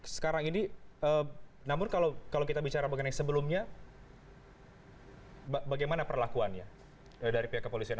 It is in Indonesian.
sekarang ini namun kalau kita bicara mengenai sebelumnya bagaimana perlakuannya dari pihak kepolisian